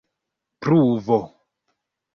pruvo